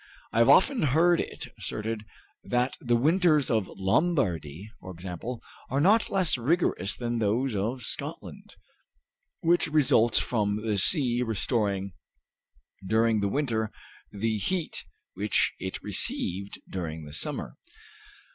I have often heard it asserted that the winters of Lombardy, for example, are not less rigorous than those of Scotland, which results from the sea restoring during the winter the heat which it received during the summer.